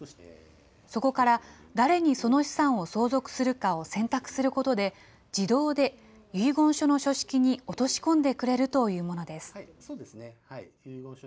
そこから誰にその資産を相続するかを選択することで、自動で遺言書の書式に落とし込んでくれるというものです。